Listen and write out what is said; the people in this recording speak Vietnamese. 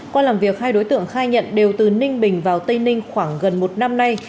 qua làm việc hai đối tượng khai nhận đều từ ninh bình vào tây ninh khoảng gần một năm nay